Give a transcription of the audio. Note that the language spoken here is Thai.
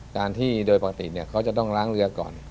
การที่โดยปกติเขาจะต้องล้างเรือก่อน